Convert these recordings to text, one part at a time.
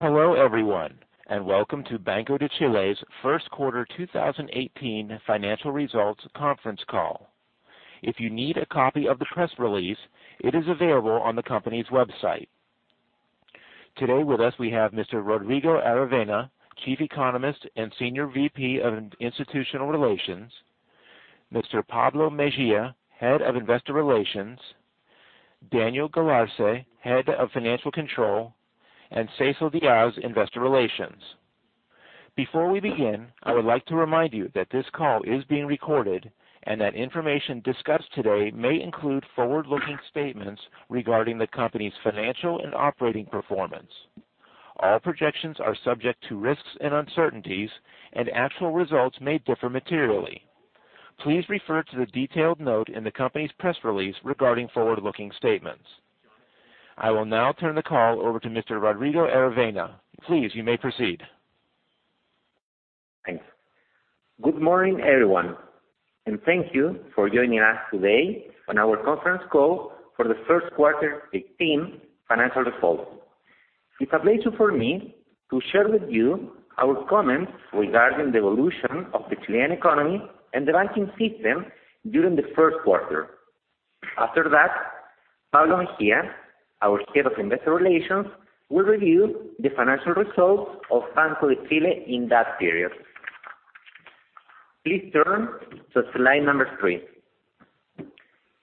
Hello, everyone, and welcome to Banco de Chile's first quarter 2018 financial results conference call. If you need a copy of the press release, it is available on the company's website. Today with us, we have Mr. Rodrigo Aravena, Chief Economist and Senior VP of Institutional Relations, Mr. Pablo Mejia, Head of Investor Relations, Daniel Galarce, Head of Financial Control, and Cecil Diaz, Investor Relations. Before we begin, I would like to remind you that this call is being recorded and that information discussed today may include forward-looking statements regarding the company's financial and operating performance. All projections are subject to risks and uncertainties, and actual results may differ materially. Please refer to the detailed note in the company's press release regarding forward-looking statements. I will now turn the call over to Mr. Rodrigo Aravena. Please, you may proceed. Thanks. Good morning, everyone, and thank you for joining us today on our conference call for the first quarter 2018 financial results. It's a pleasure for me to share with you our comments regarding the evolution of the Chilean economy and the banking system during the first quarter. After that, Pablo Mejia, our Head of Investor Relations, will review the financial results of Banco de Chile in that period. Please turn to slide number three.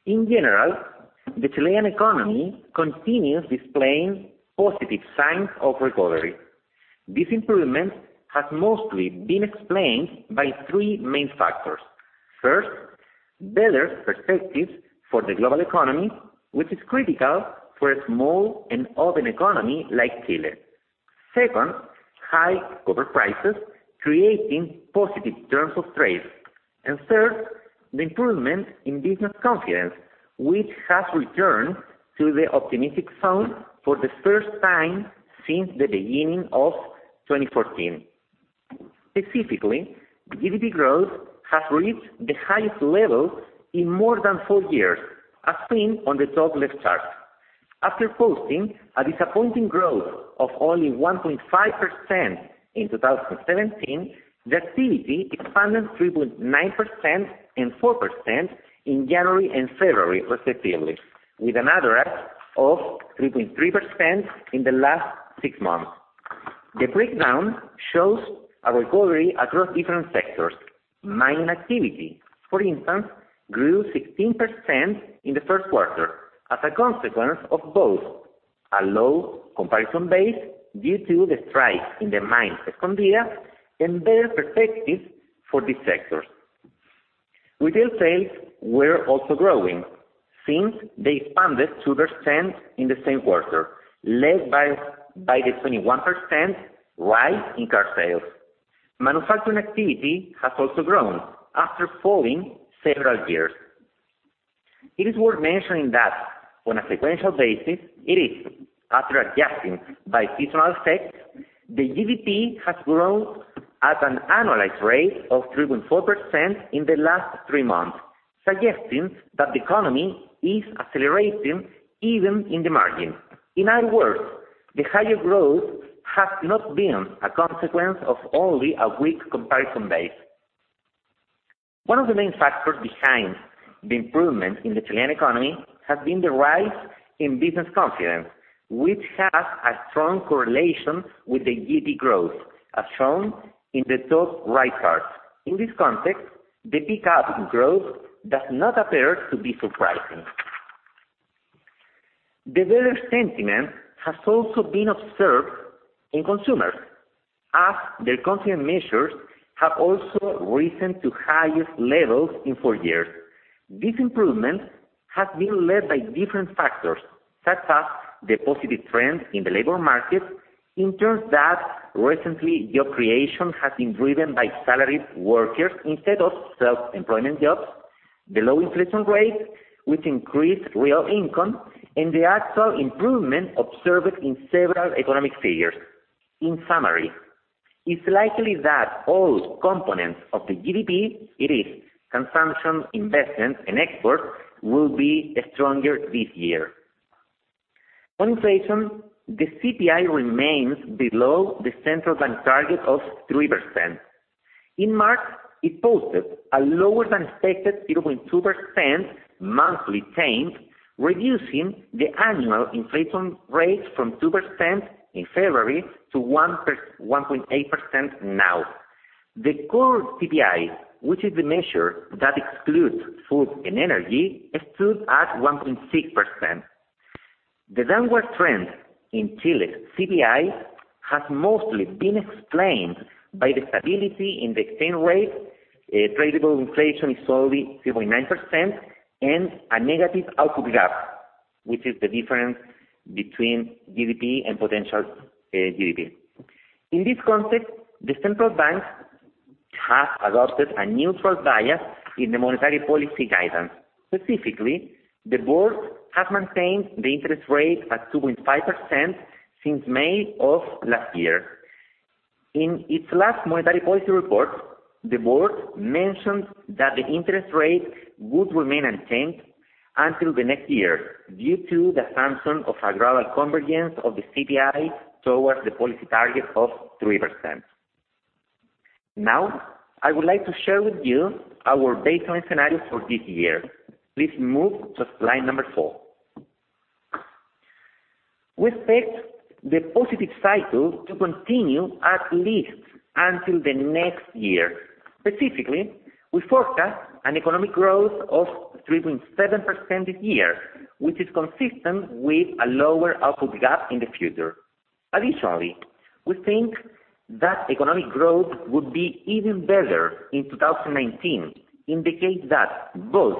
In general, the Chilean economy continues displaying positive signs of recovery. This improvement has mostly been explained by three main factors. First, better perspectives for the global economy, which is critical for a small and open economy like Chile. Second, high copper prices creating positive terms of trade. Third, the improvement in business confidence, which has returned to the optimistic zone for the first time since the beginning of 2014. Specifically, GDP growth has reached the highest level in more than four years, as seen on the top left chart. After posting a disappointing growth of only 1.5% in 2017, the activity expanded 3.9% and 4% in January and February respectively, with an average of 3.3% in the last six months. The breakdown shows a recovery across different sectors. Mining activity, for instance, grew 16% in the first quarter as a consequence of both a low comparison base due to the strike in the mine at Escondida and better perspectives for this sector. Retail sales were also growing since they expanded 2% in the same quarter, led by the 21% rise in car sales. Manufacturing activity has also grown after falling several years. It is worth mentioning that on a sequential basis, it is after adjusting by seasonal effects, the GDP has grown at an annualized rate of 3.4% in the last three months, suggesting that the economy is accelerating even in the margin. In other words, the higher growth has not been a consequence of only a weak comparison base. One of the main factors behind the improvement in the Chilean economy has been the rise in business confidence, which has a strong correlation with the GDP growth, as shown in the top right chart. In this context, the pickup in growth does not appear to be surprising. The better sentiment has also been observed in consumers as their confidence measures have also risen to the highest levels in four years. This improvement has been led by different factors, such as the positive trend in the labor market in terms that recently job creation has been driven by salaried workers instead of self-employment jobs, the low inflation rate, which increased real income, and the actual improvement observed in several economic figures. In summary, it's likely that all components of the GDP, it is consumption, investment, and export, will be stronger this year. On inflation, the CPI remains below the central bank target of 3%. In March, it posted a lower than expected 0.2% monthly change, reducing the annual inflation rate from 2% in February to 1.8% now. The core CPI, which is the measure that excludes food and energy, stood at 1.6%. The downward trend in Chile's CPI has mostly been explained by the stability in the exchange rate, tradable inflation is only 0.9%, and a negative output gap, which is the difference between GDP and potential GDP. In this context, the central bank has adopted a neutral bias in the monetary policy guidance. Specifically, the board has maintained the interest rate at 2.5% since May of last year. In its last monetary policy report, the board mentioned that the interest rate would remain unchanged until the next year due to the assumption of a gradual convergence of the CPI towards the policy target of 3%. Now, I would like to share with you our baseline scenario for this year. Please move to slide number four. We expect the positive cycle to continue at least until the next year. Specifically, we forecast an economic growth of 3.7% this year, which is consistent with a lower output gap in the future. Additionally, we think that economic growth would be even better in 2019, indicate that both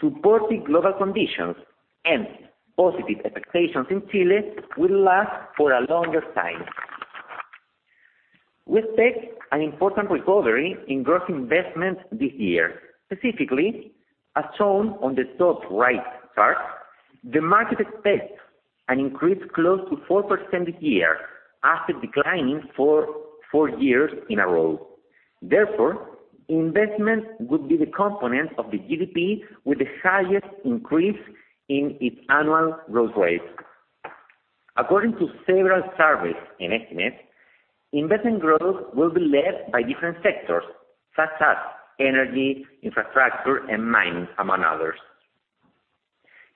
supportive global conditions and positive expectations in Chile will last for a longer time. We expect an important recovery in gross investment this year. Specifically, as shown on the top right chart, the market expects an increase close to 4% this year after declining for four years in a row. Therefore, investment would be the component of the GDP with the highest increase in its annual growth rate. According to several surveys and estimates, investment growth will be led by different sectors such as energy, infrastructure, and mining, among others.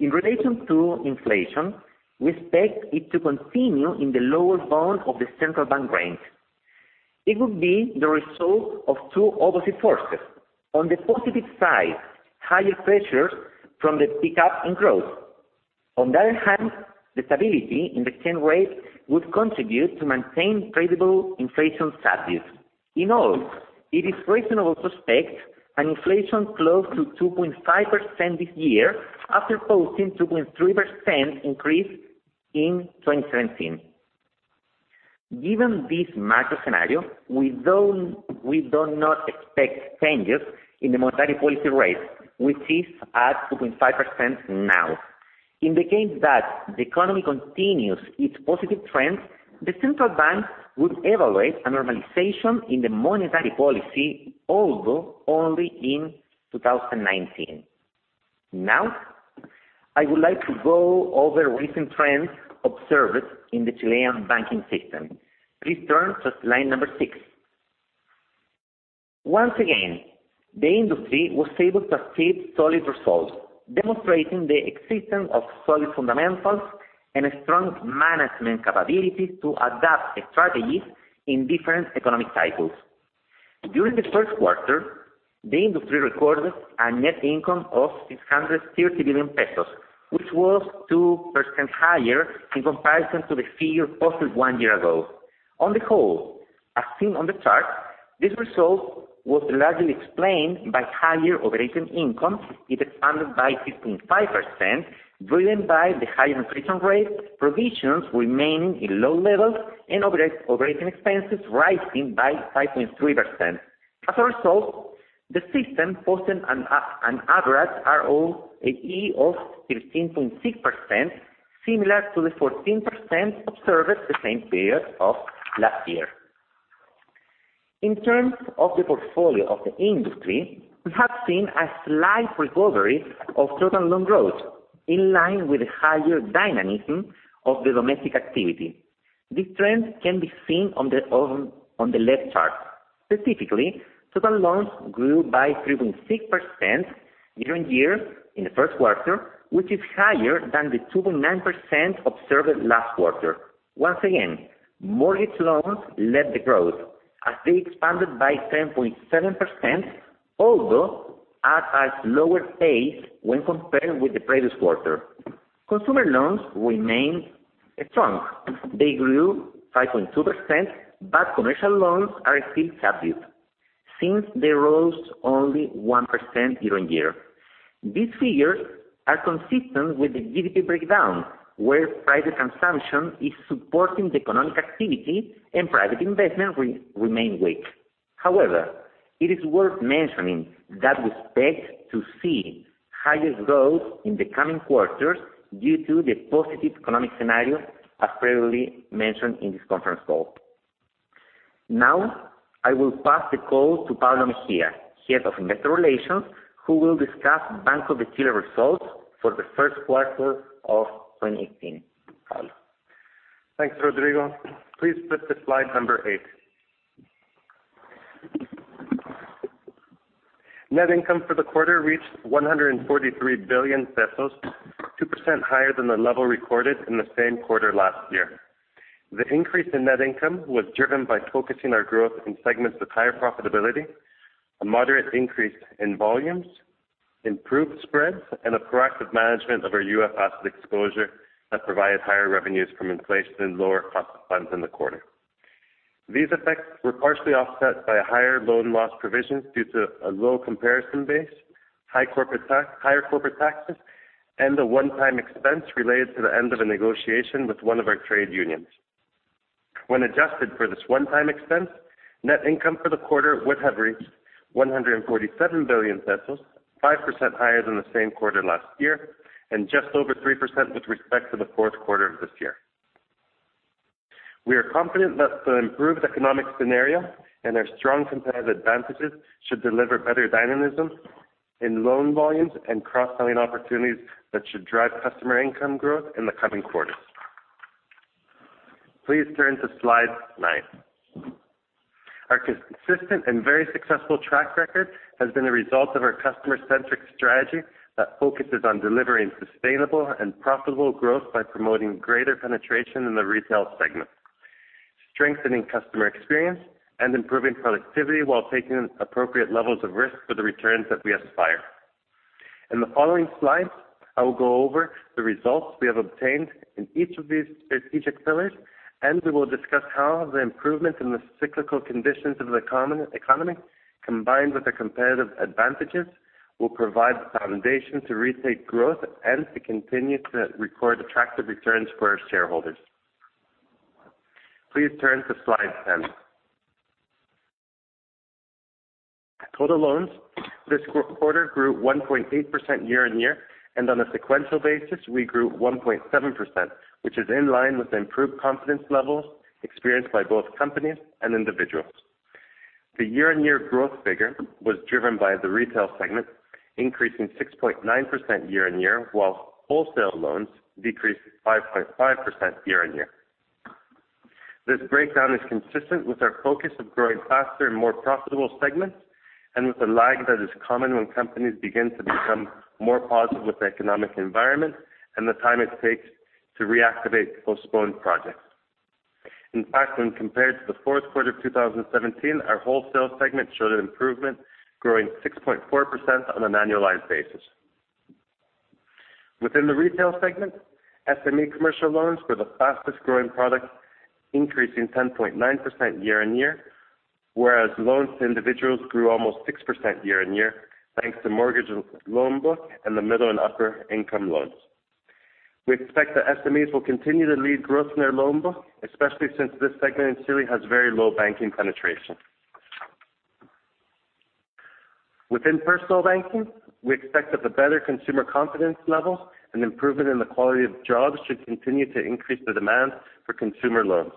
In relation to inflation, we expect it to continue in the lower bound of the central bank range. It would be the result of two opposite forces. On the positive side, higher pressures from the pickup in growth. On the other hand, the stability in the exchange rate would contribute to maintain credible inflation status. In all, it is reasonable to expect an inflation close to 2.5% this year after posting 2.3% increase in 2017. Given this macro scenario, we do not expect changes in the monetary policy rate, which is at 2.5% now. In the case that the economy continues its positive trends, the central bank would evaluate a normalization in the monetary policy, although only in 2019. Now, I would like to go over recent trends observed in the Chilean banking system. Please turn to slide number six. Once again, the industry was able to achieve solid results, demonstrating the existence of solid fundamentals and strong management capabilities to adapt strategies in different economic cycles. During the first quarter, the industry recorded a net income of 630 billion pesos, which was 2% higher in comparison to the figure posted one year ago. On the whole, as seen on the chart, this result was largely explained by higher operating income. It expanded by 15.5%, driven by the higher inflation rate, provisions remaining in low levels, and operating expenses rising by 5.3%. As a result, the system posted an average ROAE of 13.6%, similar to the 14% observed the same period of last year. In terms of the portfolio of the industry, we have seen a slight recovery of total loan growth, in line with the higher dynamism of the domestic activity. This trend can be seen on the left chart. Specifically, total loans grew by 3.6% year-over-year in the first quarter, which is higher than the 2.9% observed last quarter. Once again, mortgage loans led the growth, as they expanded by 10.7%, although at a slower pace when compared with the previous quarter. Consumer loans remained strong. They grew 5.2%, but commercial loans are still subdued since they rose only one% year-over-year. These figures are consistent with the GDP breakdown, where private consumption is supporting the economic activity and private investment remains weak. However, it is worth mentioning that we expect to see higher growth in the coming quarters due to the positive economic scenario, as previously mentioned in this conference call. Now, I will pass the call to Pablo Mejia, Head of Investor Relations, who will discuss Banco de Chile results for the first quarter of 2018. Pablo? Thanks, Rodrigo. Please flip to slide number eight. Net income for the quarter reached 143 billion pesos, 2% higher than the level recorded in the same quarter last year. The increase in net income was driven by focusing our growth in segments with higher profitability, a moderate increase in volumes, improved spreads, and a proactive management of our UF asset exposure that provided higher revenues from inflation and lower cost of funds in the quarter. These effects were partially offset by higher loan loss provisions due to a low comparison base, higher corporate taxes, and a one-time expense related to the end of a negotiation with one of our trade unions. When adjusted for this one-time expense, net income for the quarter would have reached 147 billion pesos, 5% higher than the same quarter last year, and just over 3% with respect to the fourth quarter of this year. We are confident that the improved economic scenario and our strong competitive advantages should deliver better dynamism in loan volumes and cross-selling opportunities that should drive customer income growth in the coming quarters. Please turn to Slide nine. Our consistent and very successful track record has been a result of our customer-centric strategy that focuses on delivering sustainable and profitable growth by promoting greater penetration in the retail segment, strengthening customer experience, and improving productivity while taking appropriate levels of risk for the returns that we aspire. In the following slides, I will go over the results we have obtained in each of these strategic pillars, and we will discuss how the improvement in the cyclical conditions of the economy, combined with the competitive advantages, will provide the foundation to regain growth and to continue to record attractive returns for our shareholders. Please turn to Slide ten. Total loans this quarter grew 1.8% year-on-year, on a sequential basis, we grew 1.7%, which is in line with the improved confidence levels experienced by both companies and individuals. The year-on-year growth figure was driven by the retail segment increasing 6.9% year-on-year, while wholesale loans decreased 5.5% year-on-year. This breakdown is consistent with our focus of growing faster and more profitable segments and with the lag that is common when companies begin to become more positive with the economic environment and the time it takes to reactivate postponed projects. In fact, when compared to the fourth quarter of 2017, our wholesale segment showed an improvement, growing 6.4% on an annualized basis. Within the retail segment, SME commercial loans were the fastest-growing product, increasing 10.9% year-on-year, whereas loans to individuals grew almost 6% year-on-year, thanks to mortgage loan book and the middle and upper income loans. We expect that SMEs will continue to lead growth in their loan book, especially since this segment in Chile has very low banking penetration. Within personal banking, we expect that the better consumer confidence level and improvement in the quality of jobs should continue to increase the demand for consumer loans.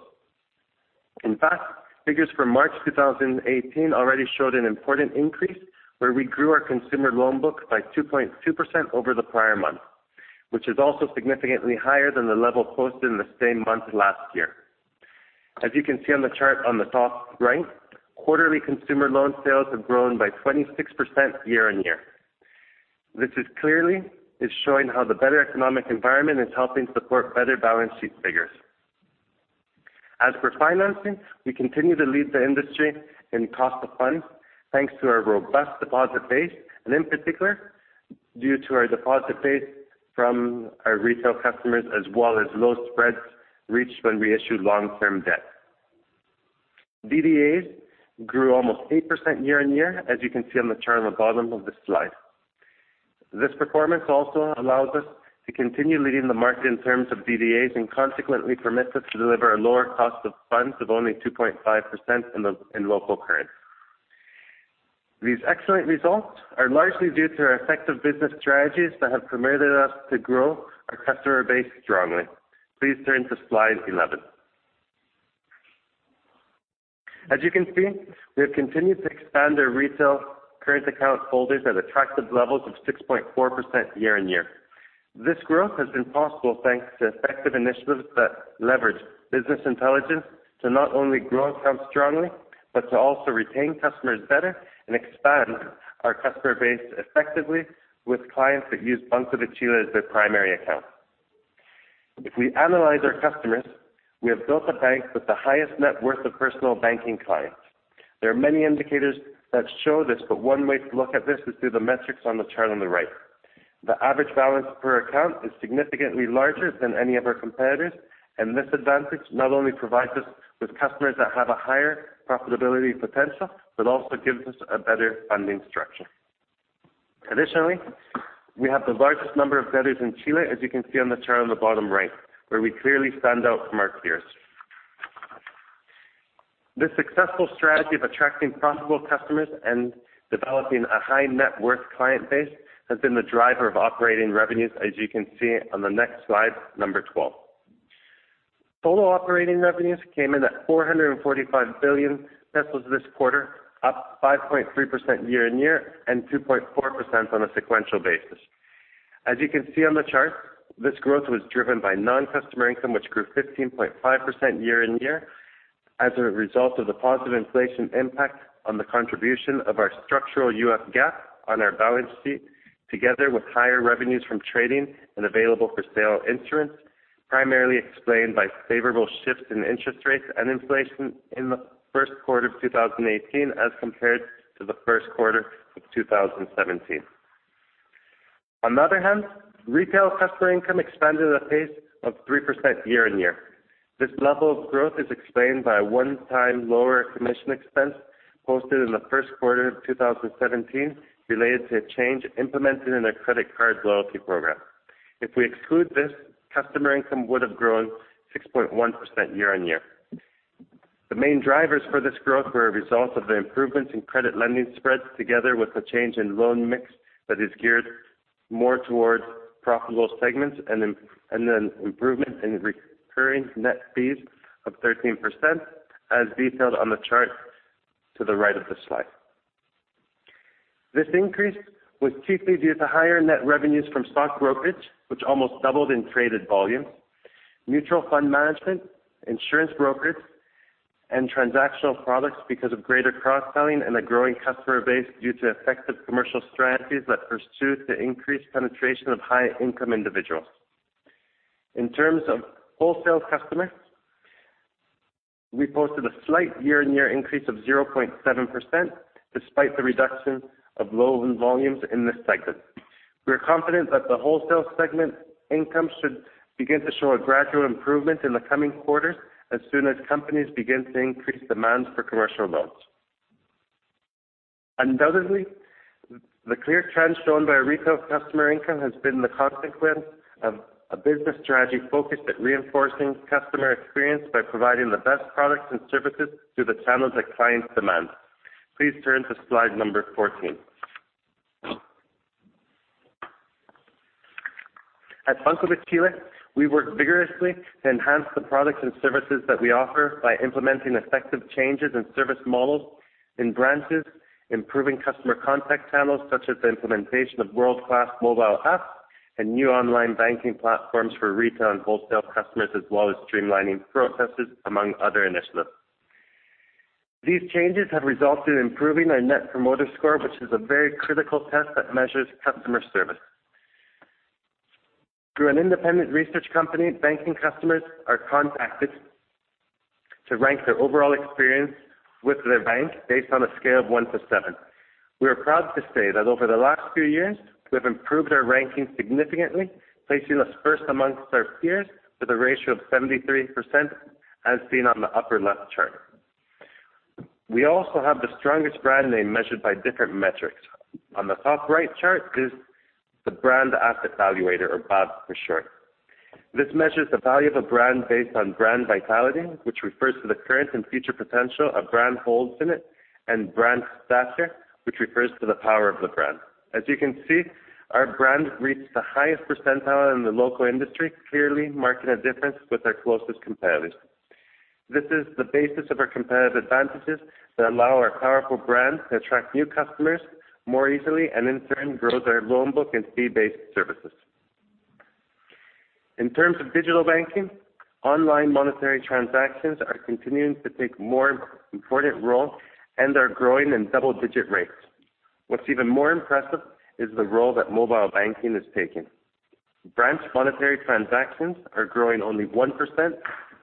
In fact, figures for March 2018 already showed an important increase, where we grew our consumer loan book by 2.2% over the prior month, which is also significantly higher than the level posted in the same month last year. As you can see on the chart on the top right, quarterly consumer loan sales have grown by 26% year-on-year. This clearly is showing how the better economic environment is helping support better balance sheet figures. As for financing, we continue to lead the industry in cost of funds, thanks to our robust deposit base, in particular, due to our deposit base from our retail customers, as well as low spreads reached when we issue long-term debt. DDAs grew almost 8% year-on-year, as you can see on the chart on the bottom of the slide. This performance also allows us to continue leading the market in terms of DDAs, consequently permits us to deliver a lower cost of funds of only 2.5% in local currency. These excellent results are largely due to our effective business strategies that have permitted us to grow our customer base strongly. Please turn to Slide 11. As you can see, we have continued to expand our retail current account holders at attractive levels of 6.4% year-on-year. This growth has been possible thanks to effective initiatives that leverage business intelligence to not only grow accounts strongly, to also retain customers better and expand our customer base effectively with clients that use Banco de Chile as their primary account. If we analyze our customers, we have built a bank with the highest net worth of personal banking clients. There are many indicators that show this, one way to look at this is through the metrics on the chart on the right. The average balance per account is significantly larger than any of our competitors, this advantage not only provides us with customers that have a higher profitability potential but also gives us a better funding structure. Additionally, we have the largest number of debtors in Chile, as you can see on the chart on the bottom right, where we clearly stand out from our peers. This successful strategy of attracting profitable customers and developing a high net worth client base has been the driver of operating revenues as you can see on the next slide number 12. Total operating revenues came in at 445 billion pesos this quarter, up 5.3% year-over-year and 2.4% on a sequential basis. As you can see on the chart, this growth was driven by non-customer income, which grew 15.5% year-over-year as a result of the positive inflation impact on the contribution of our structural UF gap on our balance sheet, together with higher revenues from trading and available-for-sale instruments, primarily explained by favorable shifts in interest rates and inflation in the first quarter of 2018 as compared to the first quarter of 2017. On the other hand, retail customer income expanded at a pace of 3% year-over-year. This level of growth is explained by a one-time lower commission expense posted in the first quarter of 2017 related to a change implemented in the credit card loyalty program. If we exclude this, customer income would have grown 6.1% year-over-year. The main drivers for this growth were a result of the improvements in credit lending spreads, together with the change in loan mix that is geared more towards profitable segments and an improvement in recurring net fees of 13%, as detailed on the chart to the right of this slide. This increase was chiefly due to higher net revenues from stock brokerage, which almost doubled in traded volume, mutual fund management, insurance brokerage, and transactional products because of greater cross-selling and a growing customer base due to effective commercial strategies that pursue to increase penetration of high income individuals. In terms of wholesale customers, we posted a slight year-over-year increase of 0.7%, despite the reduction of loan volumes in this cycle. We are confident that the wholesale segment income should begin to show a gradual improvement in the coming quarters as soon as companies begin to increase demand for commercial loans. Undoubtedly, the clear trend shown by retail customer income has been the consequence of a business strategy focused at reinforcing customer experience by providing the best products and services through the channels that clients demand. Please turn to slide number 14. At Banco de Chile, we work vigorously to enhance the products and services that we offer by implementing effective changes in service models in branches, improving customer contact channels, such as the implementation of world-class mobile apps and new online banking platforms for retail and wholesale customers, as well as streamlining processes, among other initiatives. These changes have resulted in improving our Net Promoter Score, which is a very critical test that measures customer service. Through an independent research company, banking customers are contacted to rank their overall experience with their bank based on a scale of one to seven. We are proud to say that over the last few years, we have improved our ranking significantly, placing us first amongst our peers with a ratio of 73%, as seen on the upper left chart. We also have the strongest brand name measured by different metrics. On the top right chart is the Brand Asset Valuator or BAV for short. This measures the value of a brand based on brand vitality, which refers to the current and future potential a brand holds in it, and brand stature, which refers to the power of the brand. As you can see, our brand reached the highest percentile in the local industry, clearly marking a difference with our closest competitors. This is the basis of our competitive advantages that allow our powerful brand to attract new customers more easily and in turn, grow their loan book and fee-based services. In terms of digital banking, online monetary transactions are continuing to take a more important role and are growing in double-digit rates. What's even more impressive is the role that mobile banking is taking. Branch monetary transactions are growing only 1%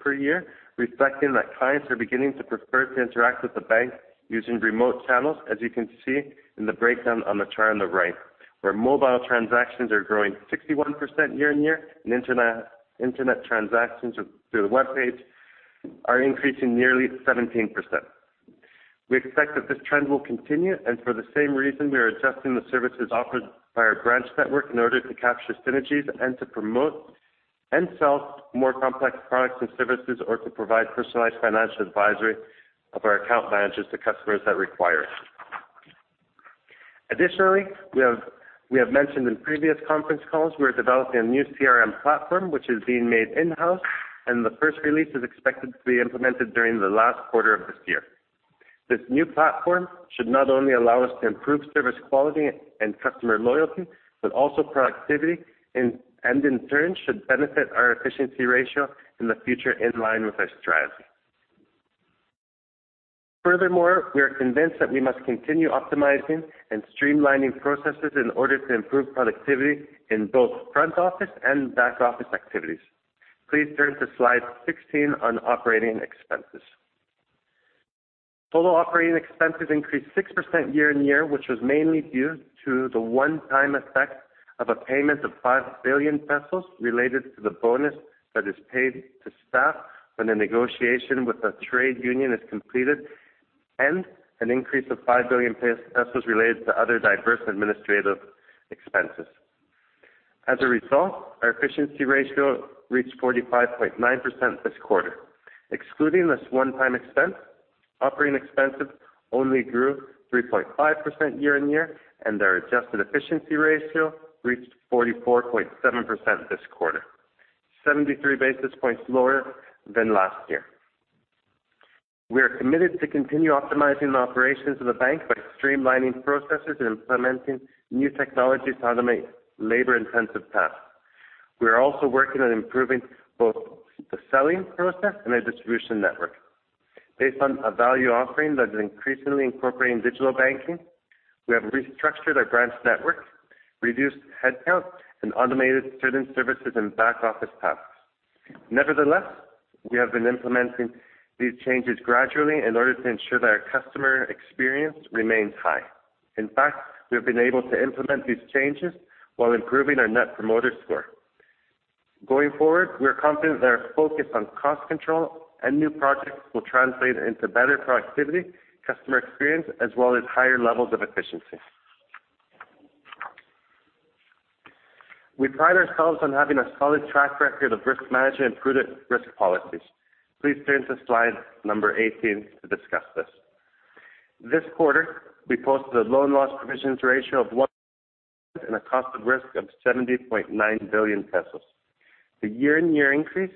per year, reflecting that clients are beginning to prefer to interact with the bank using remote channels, as you can see in the breakdown on the chart on the right, where mobile transactions are growing 61% year-on-year and internet transactions through the webpage are increasing nearly 17%. We expect that this trend will continue. For the same reason, we are adjusting the services offered by our branch network in order to capture synergies and to promote and sell more complex products and services, or to provide personalized financial advisory of our account managers to customers that require it. Additionally, we have mentioned in previous conference calls we are developing a new CRM platform which is being made in-house, and the first release is expected to be implemented during the last quarter of this year. This new platform should not only allow us to improve service quality and customer loyalty, also productivity, and in turn, should benefit our efficiency ratio in the future in line with our strategy. Furthermore, we are convinced that we must continue optimizing and streamlining processes in order to improve productivity in both front office and back office activities. Please turn to slide 16 on operating expenses. Total operating expenses increased 6% year-on-year, which was mainly due to the one-time effect of a payment of 5 billion pesos related to the bonus that is paid to staff when the negotiation with the trade union is completed, and an increase of 5 billion pesos related to other diverse administrative expenses. As a result, our efficiency ratio reached 45.9% this quarter. Excluding this one-time expense, operating expenses only grew 3.5% year-on-year. Our adjusted efficiency ratio reached 44.7% this quarter, 73 basis points lower than last year. We are committed to continue optimizing the operations of the bank by streamlining processes and implementing new technologies to automate labor-intensive tasks. We are also working on improving both the selling process and the distribution network. Based on a value offering that is increasingly incorporating digital banking, we have restructured our branch network, reduced headcount, and automated certain services and back-office tasks. Nevertheless, we have been implementing these changes gradually in order to ensure that our customer experience remains high. In fact, we have been able to implement these changes while improving our Net Promoter Score. Going forward, we are confident that our focus on cost control and new projects will translate into better productivity, customer experience, as well as higher levels of efficiency. We pride ourselves on having a solid track record of risk management and prudent risk policies. Please turn to slide number 18 to discuss this. This quarter, we posted a loan loss provisions ratio of one, and a cost of risk of 70.9 billion pesos. The year-on-year increase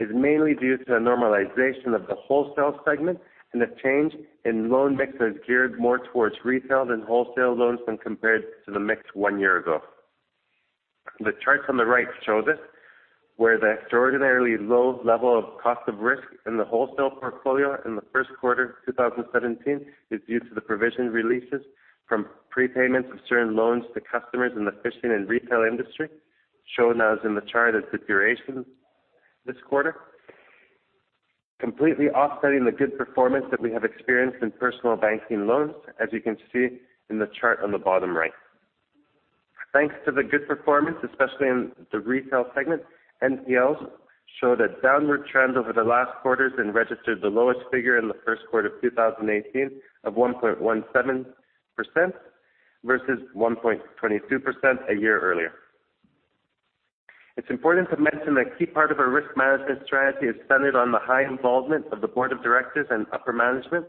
is mainly due to the normalization of the wholesale segment, a change in loan mix that is geared more towards retail than wholesale loans when compared to the mix one year ago. The charts on the right show this, where the extraordinarily low level of cost of risk in the wholesale portfolio in the first quarter 2017 is due to the provision releases from prepayments of certain loans to customers in the fishing and retail industry, shown as in the chart as during this quarter, completely offsetting the good performance that we have experienced in personal banking loans, as you can see in the chart on the bottom right. Thanks to the good performance, especially in the retail segment, NPLs show a downward trend over the last quarters and registered the lowest figure in the first quarter of 2018 of 1.17% versus 1.22% a year earlier. It's important to mention that a key part of our risk management strategy is centered on the high involvement of the board of directors and upper management,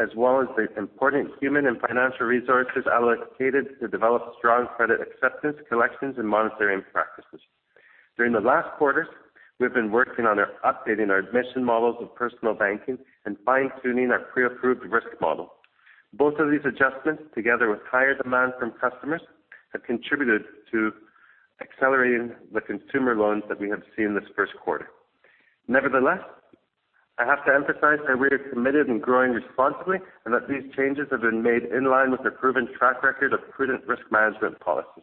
as well as the important human and financial resources allocated to develop strong credit acceptance, collections, and monitoring practices. During the last quarters, we've been working on updating our admission models in personal banking and fine-tuning our pre-approved risk model. Both of these adjustments, together with higher demand from customers, have contributed to accelerating the consumer loans that we have seen this first quarter. I have to emphasize that we are committed in growing responsibly and that these changes have been made in line with a proven track record of prudent risk management policies.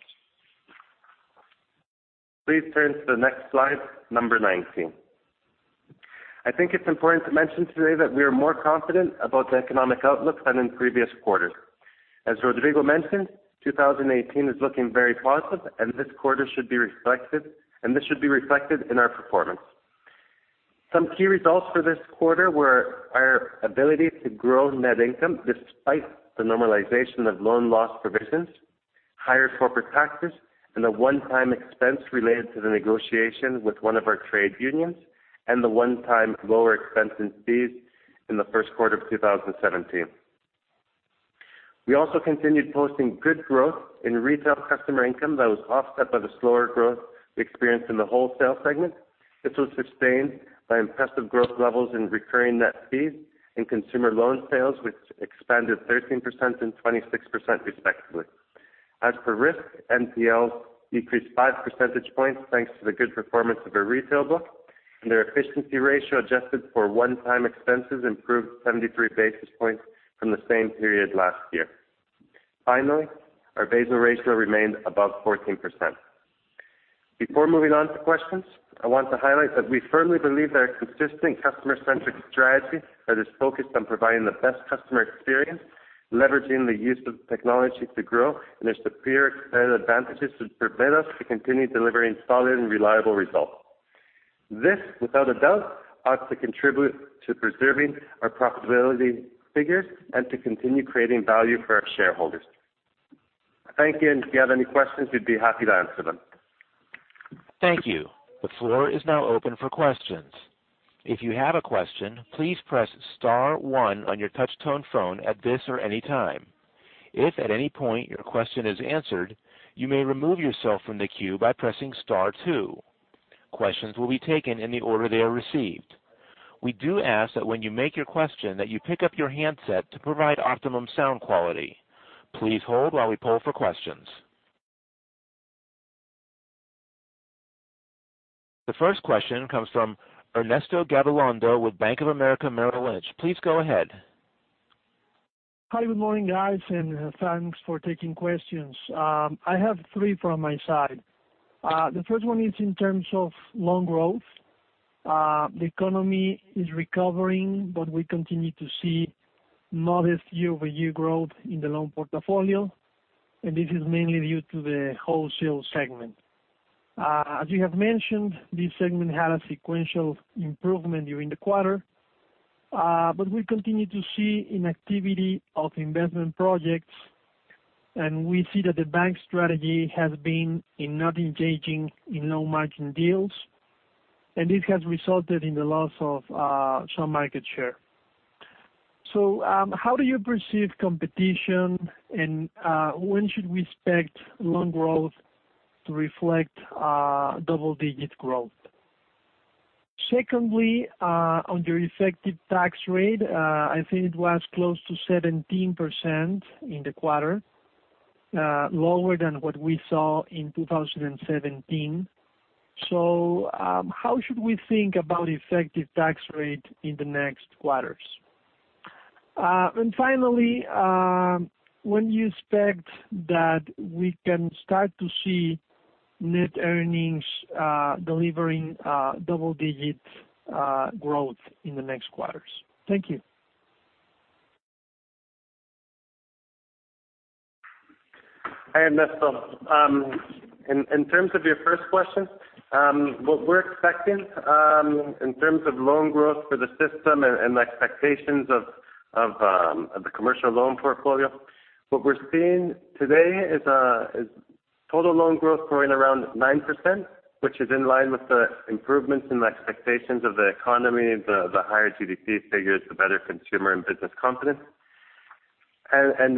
Please turn to the next slide, number 19. I think it's important to mention today that we are more confident about the economic outlook than in previous quarters. As Rodrigo mentioned, 2018 is looking very positive, this should be reflected in our performance. Some key results for this quarter were our ability to grow net income despite the normalization of loan loss provisions, higher corporate taxes, and the one-time expense related to the negotiation with one of our trade unions, and the one-time lower expense in fees in the first quarter of 2017. We also continued posting good growth in retail customer income that was offset by the slower growth we experienced in the wholesale segment. This was sustained by impressive growth levels in recurring net fees and consumer loan sales, which expanded 13% and 26% respectively. As for risk, NPLs decreased five percentage points thanks to the good performance of our retail book, and their efficiency ratio adjusted for one-time expenses improved 73 basis points from the same period last year. Finally, our Basel ratio remained above 14%. Before moving on to questions, I want to highlight that I firmly believe that a consistent customer-centric strategy that is focused on providing the best customer experience, leveraging the use of technology to grow, and their superior competitive advantages would permit us to continue delivering solid and reliable results. This, without a doubt, ought to contribute to preserving our profitability figures and to continue creating value for our shareholders. Thank you, and if you have any questions, we'd be happy to answer them. Thank you. The floor is now open for questions. If you have a question, please press star one on your touch tone phone at this or any time. If at any point your question is answered, you may remove yourself from the queue by pressing star two. Questions will be taken in the order they are received. We do ask that when you make your question, that you pick up your handset to provide optimum sound quality. Please hold while we poll for questions. The first question comes from Ernesto Gabilondo with Bank of America Merrill Lynch. Please go ahead. Hi, good morning, guys. Thanks for taking questions. I have three from my side. The first one is in terms of loan growth. The economy is recovering. We continue to see modest year-over-year growth in the loan portfolio. This is mainly due to the wholesale segment. As you have mentioned, this segment had a sequential improvement during the quarter. We continue to see inactivity of investment projects. We see that the bank strategy has been in not engaging in low-margin deals. This has resulted in the loss of some market share. How do you perceive competition? When should we expect loan growth to reflect double-digit growth? Secondly, on the effective tax rate, I think it was close to 17% in the quarter, lower than what we saw in 2017. How should we think about effective tax rate in the next quarters? Finally, when do you expect that we can start to see net earnings delivering double-digit growth in the next quarters? Thank you. Hi, Ernesto. In terms of your first question, what we're expecting in terms of loan growth for the system and the expectations of the commercial loan portfolio, what we're seeing today is total loan growth growing around 9%, which is in line with the improvements in the expectations of the economy, the higher GDP figures, the better consumer and business confidence.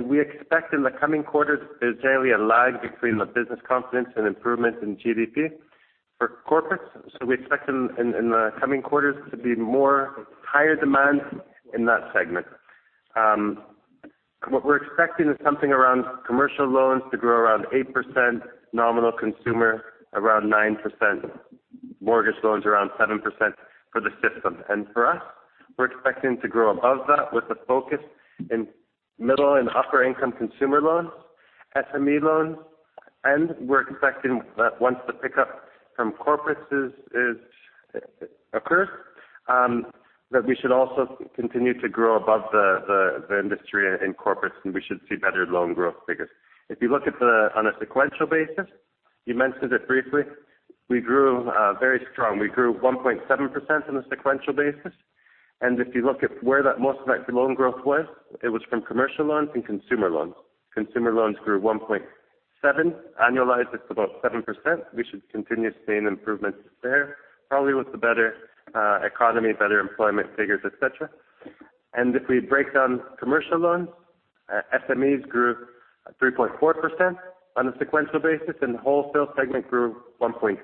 We expect in the coming quarters, there's generally a lag between the business confidence and improvements in GDP for corporates. We expect in the coming quarters to be more higher demand in that segment. What we're expecting is something around commercial loans to grow around 8%, nominal consumer around 9%, mortgage loans around 7% for the system. For us, we're expecting to grow above that with the focus in middle and upper-income consumer loans, SME loans. We're expecting that once the pickup from corporates occurs, that we should also continue to grow above the industry in corporates, and we should see better loan growth figures. If you look on a sequential basis, you mentioned it briefly, we grew very strong. We grew 1.7% on a sequential basis, and if you look at where that most of that loan growth was, it was from commercial loans and consumer loans. Consumer loans grew 1.7%, annualized it's about 7%. We should continue seeing improvements there, probably with the better economy, better employment figures, et cetera. If we break down commercial loans, SMEs grew 3.4% on a sequential basis, and the wholesale segment grew 1.6%.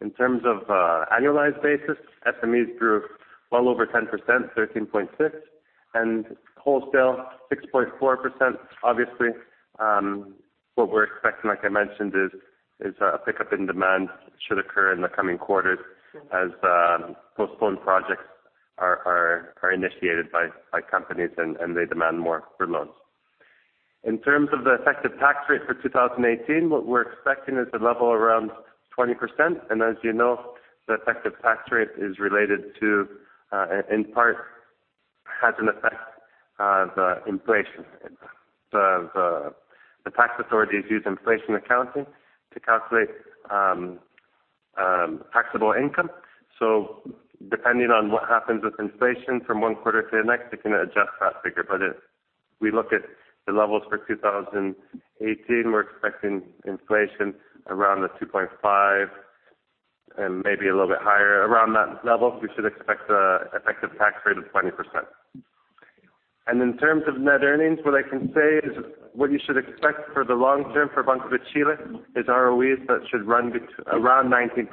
In terms of annualized basis, SMEs grew well over 10%, 13.6%, and wholesale 6.4%. Obviously, what we're expecting, like I mentioned, is a pickup in demand should occur in the coming quarters as postponed projects are initiated by companies, and they demand more for loans. In terms of the effective tax rate for 2018, what we're expecting is a level around 20%. As you know, the effective tax rate is related to, in part, has an effect of inflation. The tax authorities use inflation accounting to calculate taxable income. Depending on what happens with inflation from one quarter to the next, it can adjust that figure. If we look at the levels for 2018, we're expecting inflation around the 2.5% and maybe a little bit higher. Around that level, we should expect an effective tax rate of 20%. In terms of net earnings, what I can say is what you should expect for the long term for Banco de Chile is ROEs that should run around 19%,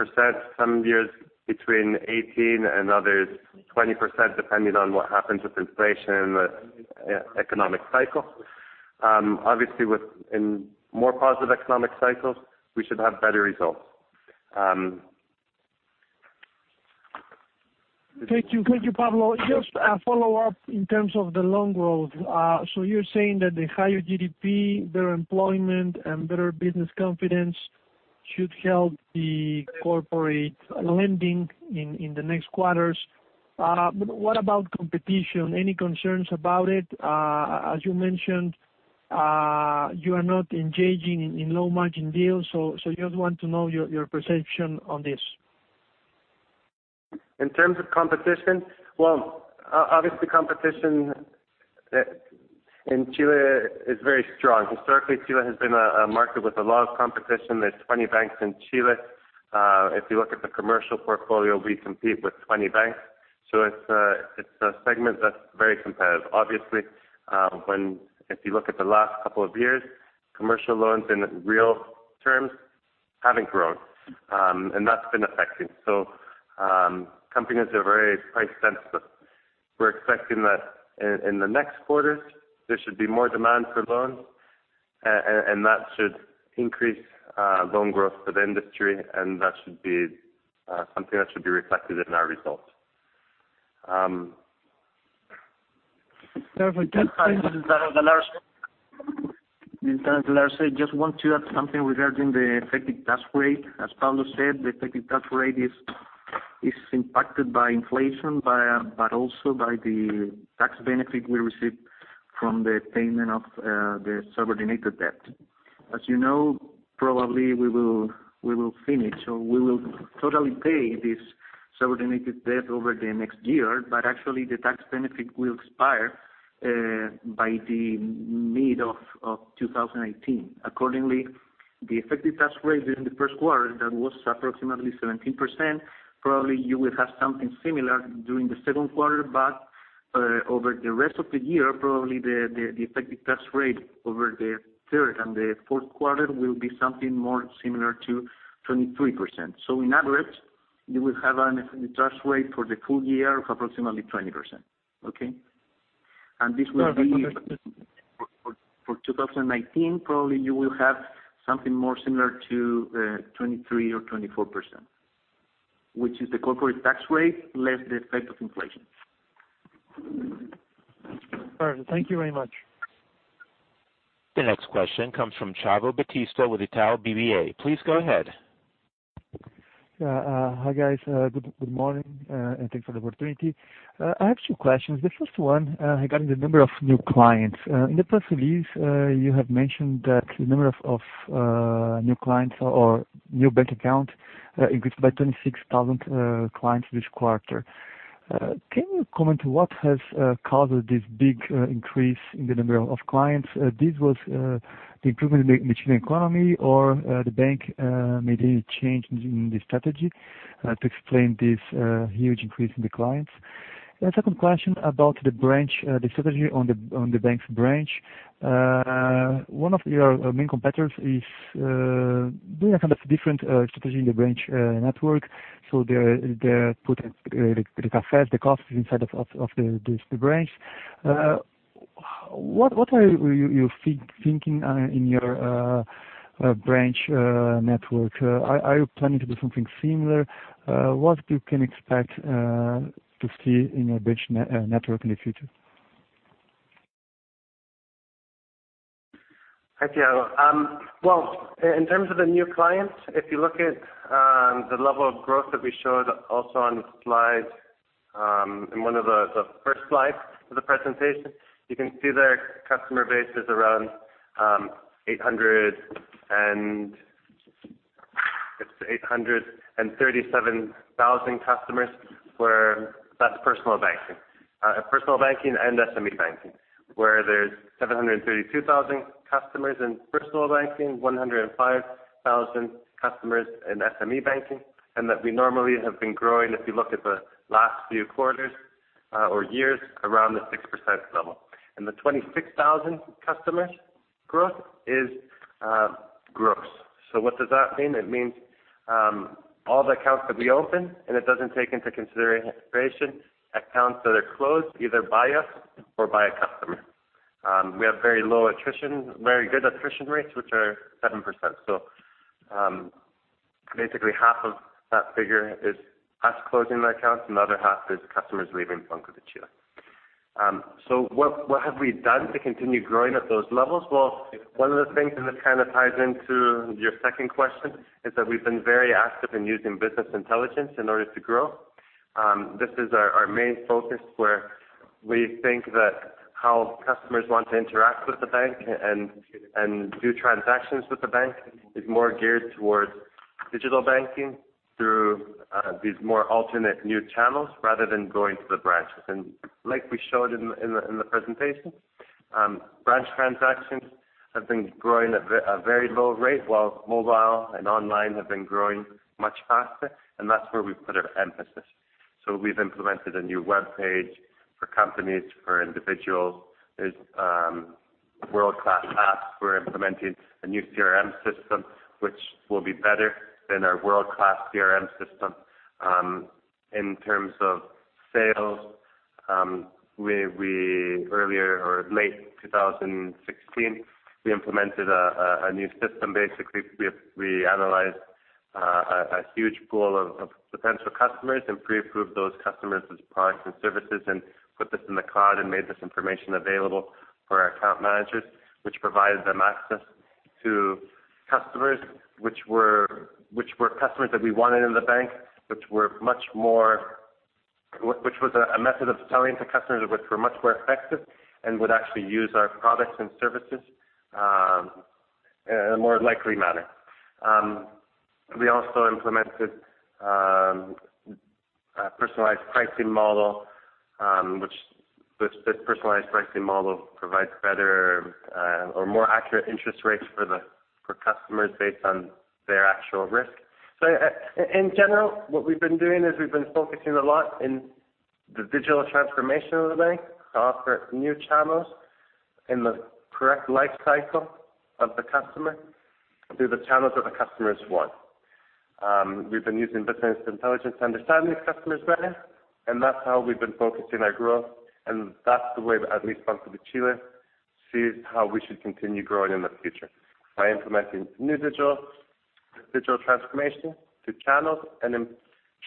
some years between 18% and others 20%, depending on what happens with inflation in the economic cycle. Obviously, in more positive economic cycles, we should have better results. Thank you, Pablo. Just a follow-up in terms of the loan growth. You're saying that the higher GDP, better employment, and better business confidence should help the corporate lending in the next quarters. What about competition? Any concerns about it? As you mentioned, you are not engaging in low-margin deals, so just want to know your perception on this. In terms of competition, well, obviously competition in Chile is very strong. Historically, Chile has been a market with a lot of competition. There are 20 banks in Chile. If you look at the commercial portfolio, we compete with 20 banks, so it's a segment that's very competitive. Obviously, if you look at the last couple of years, commercial loans in real terms haven't grown, and that's been affecting. Companies are very price sensitive. We're expecting that in the next quarters, there should be more demand for loans, and that should increase loan growth for the industry, and that should be something that should be reflected in our results. Perfect. Thank you. This is Daniel Galarce. Just want to add something regarding the effective tax rate. As Pablo said, the effective tax rate is impacted by inflation, but also by the tax benefit we receive from the payment of the subordinated debt. As you know, probably we will finish, or we will totally pay this subordinated debt over the next year, but actually, the tax benefit will expire by the mid of 2018. Accordingly, the effective tax rate during the first quarter, that was approximately 17%, probably you will have something similar during the second quarter. Over the rest of the year, probably the effective tax rate over the third and the fourth quarter will be something more similar to 23%. In average, you will have an effective tax rate for the full year of approximately 20%. Okay? This will be. Perfect. Understood for 2019, probably you will have something more similar to 23% or 24%, which is the corporate tax rate less the effect of inflation. Perfect. Thank you very much. The next question comes from Thiago Batista with Itaú BBA. Please go ahead. Hi guys. Good morning, and thanks for the opportunity. I have two questions. The first one regarding the number of new clients. In the press release, you have mentioned that the number of new clients or new bank account increased by 26,000 clients this quarter. Can you comment what has caused this big increase in the number of clients? This was the improvement in the Chilean economy or the bank made a change in the strategy to explain this huge increase in the clients? The second question about the strategy on the bank's branch. One of your main competitors is doing a kind of different strategy in the branch network. They're putting the cafes, the coffee inside of the branch. What are you thinking in your branch network? Are you planning to do something similar? What you can expect to see in your branch network in the future? Hi, Thiago. In terms of the new clients, if you look at the level of growth that we showed also on the slide, in one of the first slides of the presentation, you can see their customer base is around 837,000 customers. That's personal banking and SME banking, where there's 732,000 customers in personal banking, 105,000 customers in SME banking, and that we normally have been growing, if you look at the last few quarters or years, around the 6% level. The 26,000 customers growth is gross. What does that mean? It means all the accounts that we open, it doesn't take into consideration accounts that are closed either by us or by a customer. We have very good attrition rates, which are 7%. Basically half of that figure is us closing the accounts and the other half is customers leaving Banco de Chile. What have we done to continue growing at those levels? One of the things, this kind of ties into your second question, is that we've been very active in using business intelligence in order to grow. This is our main focus, where we think that how customers want to interact with the bank and do transactions with the bank is more geared towards digital banking through these more alternate new channels rather than going to the branches. Like we showed in the presentation, branch transactions have been growing at a very low rate, while mobile and online have been growing much faster, and that's where we put our emphasis. We've implemented a new webpage for companies, for individuals. There's world-class apps. We're implementing a new CRM system which will be better than our world-class CRM system. In terms of sales, late 2016, we implemented a new system. Basically, we analyzed a huge pool of potential customers and pre-approved those customers as products and services, put this in the cloud and made this information available for our account managers, which provided them access to customers, which were customers that we wanted in the bank, which was a method of selling to customers which were much more effective and would actually use our products and services in a more likely manner. We also implemented a personalized pricing model, which this personalized pricing model provides better or more accurate interest rates for customers based on their actual risk. In general, what we've been doing is we've been focusing a lot in the digital transformation of the bank to offer new channels in the correct life cycle of the customer through the channels that the customers want. We've been using business intelligence to understand these customers better. That's how we've been focusing our growth. That's the way that at least Banco de Chile sees how we should continue growing in the future, by implementing new digital transformation to channels. Then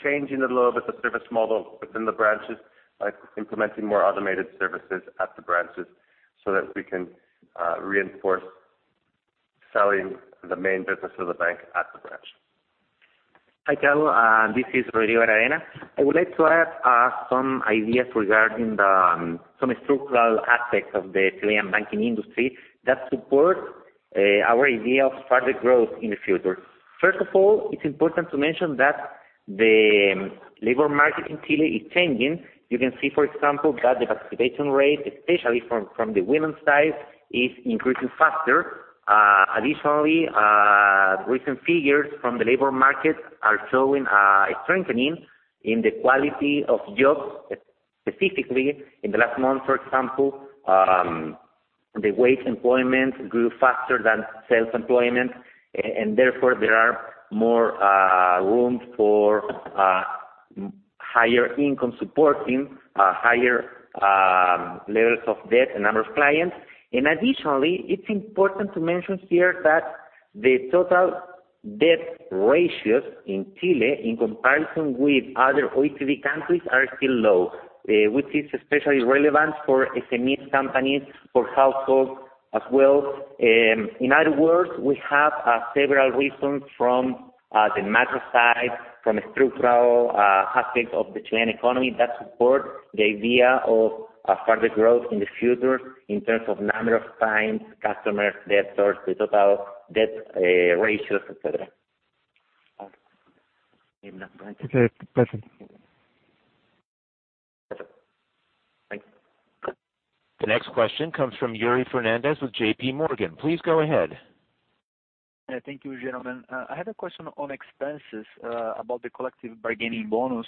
changing a little bit the service model within the branches by implementing more automated services at the branches so that we can reinforce selling the main business of the bank at the branch. Hi, Thiago. This is Rodrigo Aravena. I would like to add some ideas regarding some structural aspects of the Chilean banking industry that support our idea of further growth in the future. First of all, it's important to mention that the labor market in Chile is changing. You can see, for example, that the participation rate, especially from the women side, is increasing faster. Additionally, recent figures from the labor market are showing a strengthening in the quality of jobs, specifically in the last month, for example, the wage employment grew faster than self-employment. Therefore there are more rooms for higher income supporting higher levels of debt and number of clients. Additionally, it's important to mention here that the total debt ratios in Chile, in comparison with other OECD countries, are still low, which is especially relevant for SME companies, for households as well. In other words, we have several reasons from the macro side, from a structural aspect of the Chilean economy that support the idea of further growth in the future in terms of number of clients, customers, debt source, the total debt ratios, et cetera. Okay, perfect. Thank you. The next question comes from Yuri Fernandes with J.P. Morgan. Please go ahead. Thank you, gentlemen. I had a question on expenses about the collective bargaining bonus.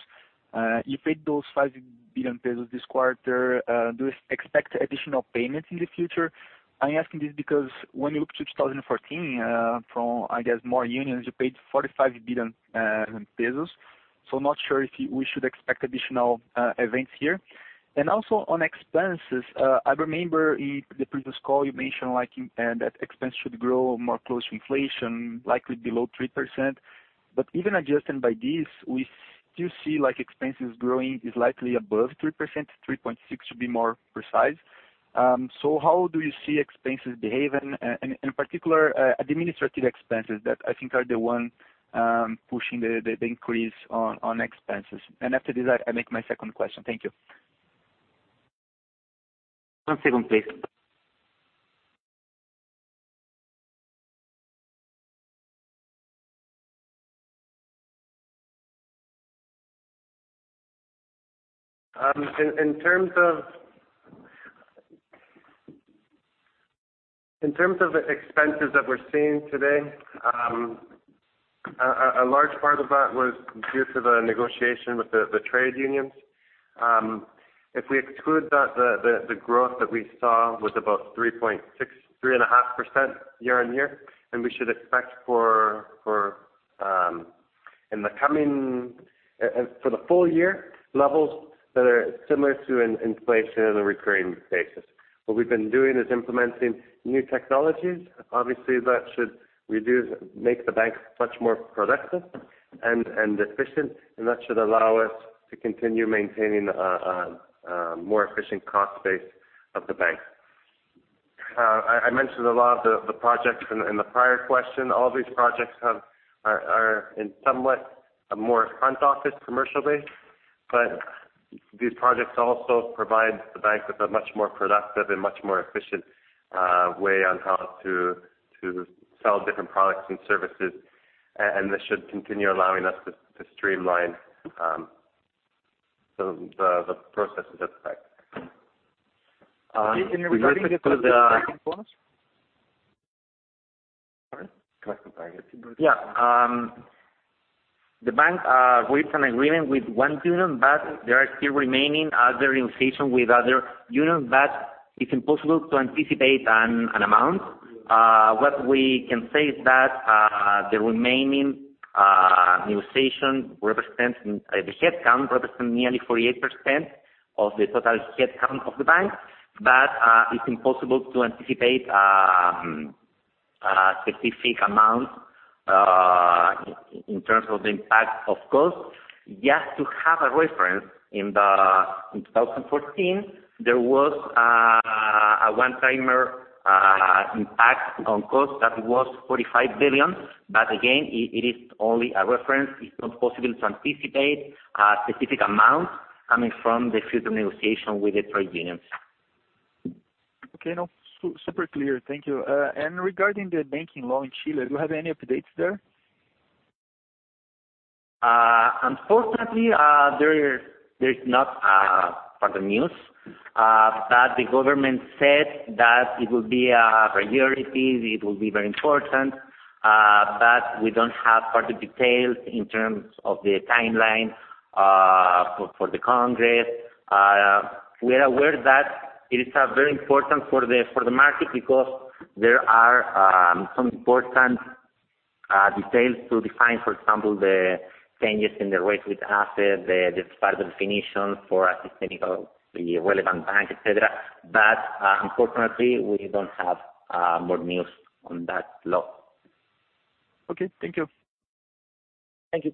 You paid those 5 billion pesos this quarter. Do you expect additional payments in the future? Not sure if we should expect additional events here. I'm asking this because when you look to 2014, from, I guess, more unions, you paid CLP 45 billion. Also on expenses, I remember in the previous call you mentioned that expense should grow more close to inflation, likely below 3%. Even adjusting by this, we still see expenses growing is likely above 3%, 3.6% to be more precise. How do you see expenses behaving, and in particular, administrative expenses that I think are the one pushing the increase on expenses? After this, I make my second question. Thank you. One second, please. In terms of expenses that we're seeing today, a large part of that was due to the negotiation with the trade unions. If we exclude that, the growth that we saw was about 3.6%, 3.5% year-over-year. We should expect, for the full year, levels that are similar to an inflation on a recurring basis. What we've been doing is implementing new technologies. Obviously, that should make the bank much more productive and efficient, and that should allow us to continue maintaining a more efficient cost base of the bank. I mentioned a lot of the projects in the prior question. All these projects are in somewhat a more front office commercially. These projects also provide the bank with a much more productive and much more efficient way on how to sell different products and services. This should continue allowing us to streamline the processes at the bank. Can you repeat it for the 2nd bonus? Sorry. Collective bargaining. Yeah. The bank reached an agreement with one union. There are still remaining other negotiations with other unions, but it's impossible to anticipate an amount. What we can say is that the remaining negotiation, the headcount represents nearly 48% of the total headcount of the bank. It's impossible to anticipate a specific amount in terms of the impact of cost. Just to have a reference, in 2014, there was a one-timer impact on cost that was 45 billion. Again, it is only a reference. It's not possible to anticipate a specific amount coming from the future negotiation with the trade unions. Okay, no. Super clear. Thank you. Regarding the banking law in Chile, do you have any updates there? Unfortunately, there is not further news. The government said that it will be a priority, it will be very important, but we don't have further details in terms of the timeline for the Congress. We are aware that it is very important for the market because there are some important details to define, for example, the changes in the weighted assets, the further definition for a systemically relevant bank, et cetera. Unfortunately, we don't have more news on that law. Okay. Thank you. Thank you.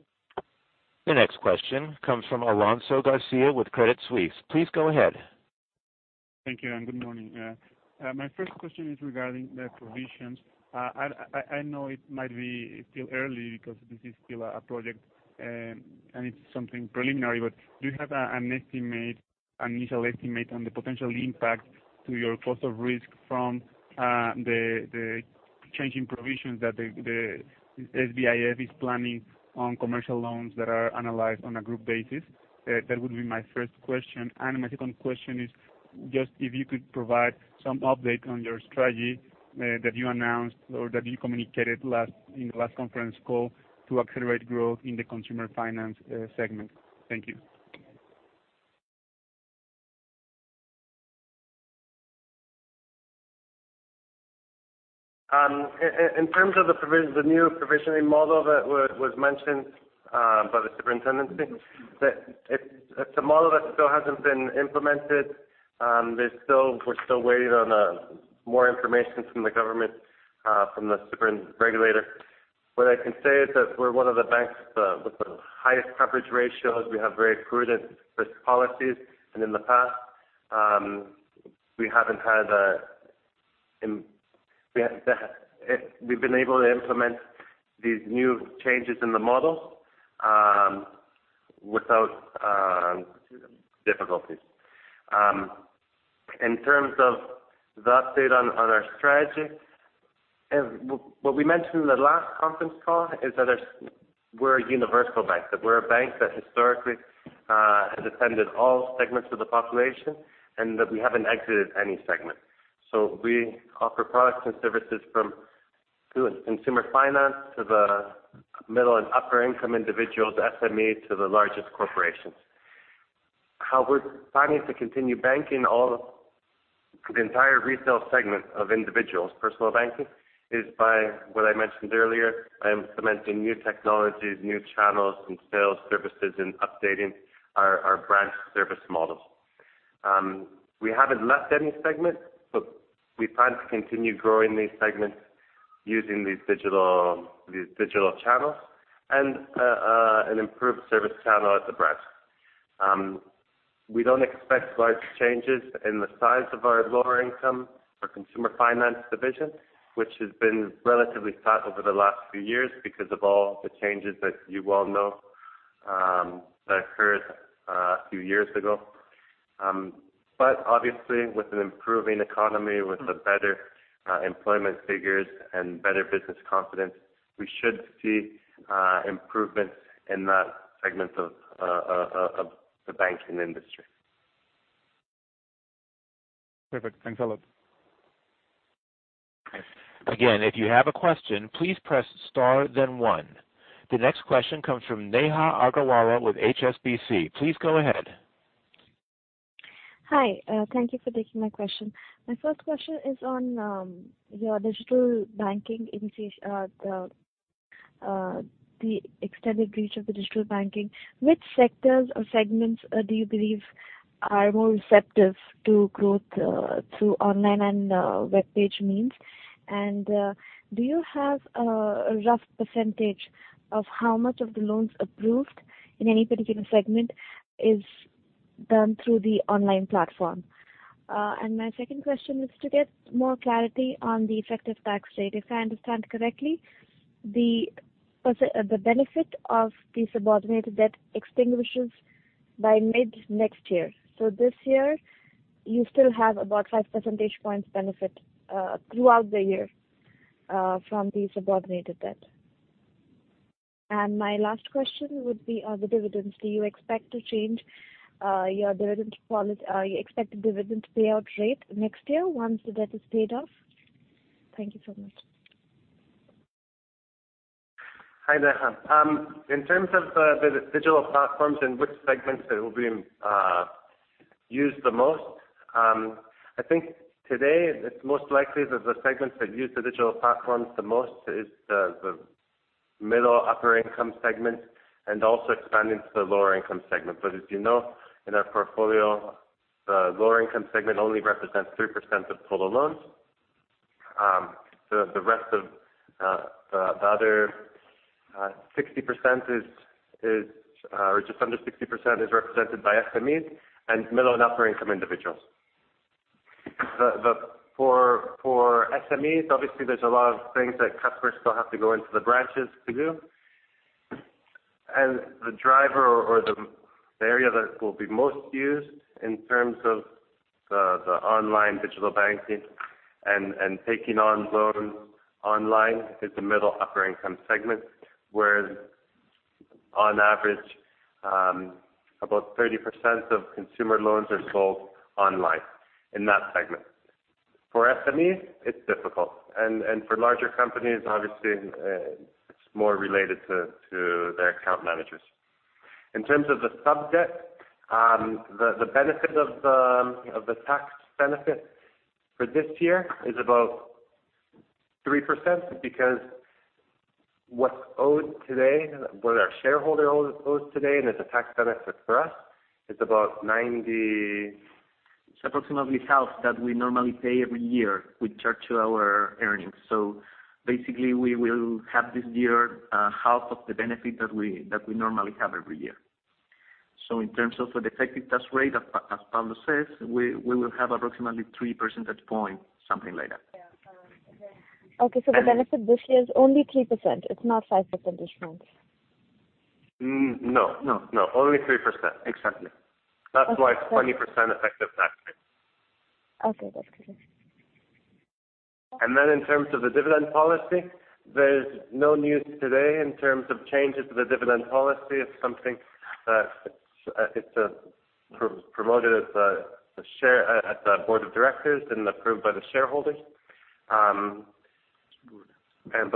The next question comes from Alonso García with Credit Suisse. Please go ahead. Thank you, and good morning. My first question is regarding the provisions. I know it might be still early because this is still a project, and it's something preliminary, but do you have an initial estimate on the potential impact to your cost of risk from the change in provisions that the SBIF is planning on commercial loans that are analyzed on a group basis? That would be my first question. My second question is just if you could provide some update on your strategy that you announced or that you communicated in the last conference call to accelerate growth in the consumer finance segment. Thank you. In terms of the new provisioning model that was mentioned by the superintendency, it's a model that still hasn't been implemented. We're still waiting on more information from the government, from the regulator. What I can say is that we're one of the banks with the highest coverage ratios. We have very prudent risk policies, and in the past, we've been able to implement these new changes in the model without difficulties. In terms of the update on our strategy, what we mentioned in the last conference call is that we're a universal bank, that we're a bank that historically has attended all segments of the population, and that we haven't exited any segment. We offer products and services from consumer finance to the middle and upper-income individuals, SMEs to the largest corporations. How we're planning to continue banking all the entire retail segment of individuals, personal banking, is by what I mentioned earlier, implementing new technologies, new channels and sales services, and updating our branch service models. We haven't left any segment, but we plan to continue growing these segments using these digital channels and an improved service channel at the branch. We don't expect large changes in the size of our lower income or consumer finance division, which has been relatively flat over the last few years because of all the changes that you well know that occurred a few years ago. Obviously, with an improving economy, with the better employment figures and better business confidence, we should see improvements in that segment of the banking industry. Perfect. Thanks, Pablo. If you have a question, please press star then one. The next question comes from Neha Agarwala with HSBC. Please go ahead. Hi. Thank you for taking my question. My first question is on your digital banking initiative, the extended reach of the digital banking. Which sectors or segments do you believe are more receptive to growth through online and webpage means? Do you have a rough percentage of how much of the loans approved in any particular segment is done through the online platform? My second question is to get more clarity on the effective tax rate. If I understand correctly, the benefit of the subordinated debt extinguishes by mid next year. This year, you still have about five percentage points benefit throughout the year from the subordinated debt. My last question would be on the dividends. Do you expect to change your dividend payout rate next year once the debt is paid off? Thank you so much. Hi, Neha. In terms of the digital platforms, in which segments they will be used the most, I think today it's most likely that the segments that use the digital platforms the most is the middle upper income segment and also expanding to the lower income segment. As you know, in our portfolio, the lower income segment only represents 3% of total loans. The other 60%, or just under 60%, is represented by SMEs and middle and upper-income individuals. For SMEs, obviously, there's a lot of things that customers still have to go into the branches to do, and the driver or the area that will be most used in terms of the online digital banking and taking on loans online is the middle upper income segment, where on average, about 30% of consumer loans are sold online in that segment. For SMEs, it's difficult. For larger companies, obviously, it's more related to their account managers. In terms of the sub-debt, the benefit of the tax benefit for this year is about 3% because what's owed today, what our shareholder owes today, and as a tax benefit for us, it's about 90- It's approximately half that we normally pay every year. We charge to our earnings. Basically, we will have this year half of the benefit that we normally have every year. In terms of the effective tax rate, as Pablo says, we will have approximately three percentage points, something like that. Okay. The benefit this year is only 3%? It's not five percentage points. No. No. Only 3%. Exactly. That's why it's 20% effective tax rate. Okay, that's clear. In terms of the dividend policy, there's no news today in terms of changes to the dividend policy. It's something that is promoted at the board of directors and approved by the shareholders.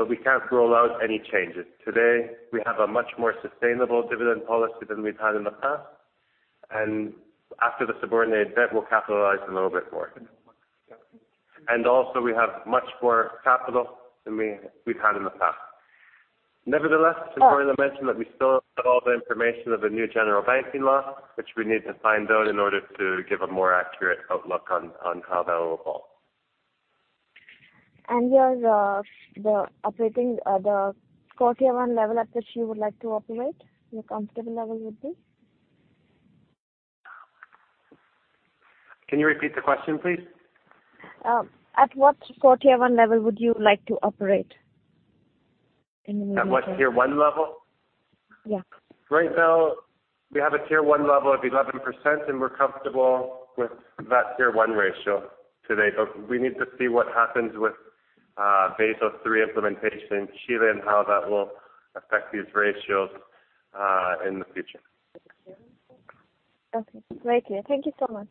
We can't rule out any changes. Today, we have a much more sustainable dividend policy than we've had in the past, and after the subordinated debt, we'll capitalize a little bit more. We have much more capital than we've had in the past. Cecilia mentioned that we still have all the information of the new General Banking Act, which we need to find out in order to give a more accurate outlook on how that will fall. Your operating, the Core Tier 1 level at which you would like to operate, your comfortable level would be? Can you repeat the question, please? At what Core Tier 1 level would you like to operate in the new year? At what Tier 1 level? Yeah. Right now, we have a Tier 1 level of 11%, and we're comfortable with that Tier 1 ratio today. We need to see what happens with Basel III implementation in Chile and how that will affect these ratios in the future. Okay. Right. Thank you so much.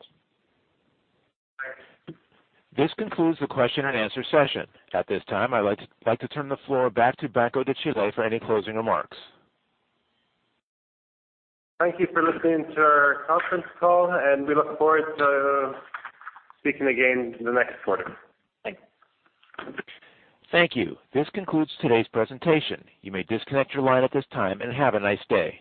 Thanks. This concludes the question and answer session. At this time, I'd like to turn the floor back to Banco de Chile for any closing remarks. Thank you for listening to our conference call, and we look forward to speaking again in the next quarter. Thanks. Thank you. This concludes today's presentation. You may disconnect your line at this time, and have a nice day.